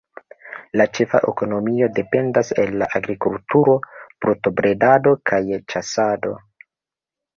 La ĉefa ekonomio dependas el la agrikulturo, brutobredado kaj ĉasado.